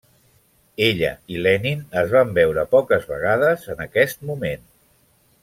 Ella i Lenin es van veure poques vegades en aquest moment.